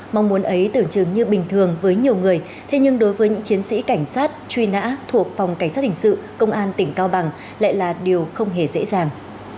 mong muốn ấy tưởng chừng như bình thường với nhiều người thế nhưng đối với những chiến sĩ cảnh sát truy nã thuộc phòng cảnh sát hình sự công an tỉnh cao bằng lại là điều không hề dễ dàng